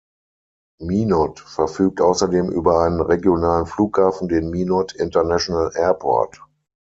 Minot verfügt außerdem über einen regionalen Flughafen, den "Minot International Airport".